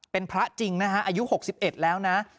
เป็นพระจริงนะฮะอายุ๖๑แล้วนะ